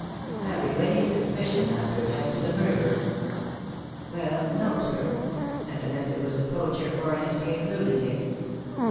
"Have you any suspicion, Lambert, as to the mur derer?" "Well, no, sir; not unless it was a poacher or an escaped lunatic."